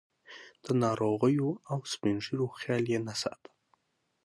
د ناروغانو او سپین ږیرو خیال یې نه ساته.